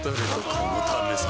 このためさ